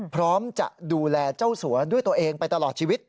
พร้อมจะดูแลเจ้าสัวด้วยตัวเองไปตลอดชีวิต